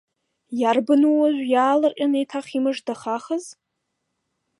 Иарбанху уажә иаалырҟьаны еиҭах имыждахахыз?